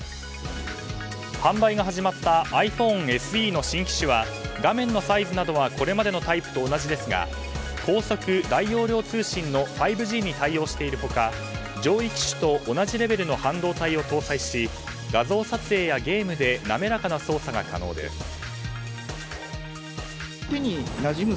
販売が始まったｉＰｈｏｎｅＳＥの新機種は画面のサイズなどはこれまでのタイプと同じですが高速・大容量通信の５Ｇに対応している他上位機種と同じレベルの半導体を搭載し画像撮影やゲームで滑らかな操作が可能です。